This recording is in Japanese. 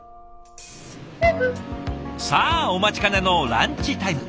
さあお待ちかねのランチタイム。